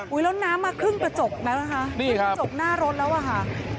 อุ้ยแล้วน้ำมาครึ่งประจกแล้วนะฮะครึ่งประจกหน้ารถแล้วอ่ะค่ะ